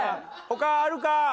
他あるか？